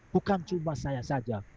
bukan cuma saya saja